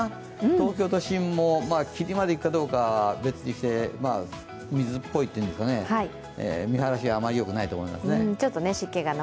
東京都心も霧までいくかどうか別にして水っぽいっていうんですかね、見晴らしがあまり良くないと思いますね。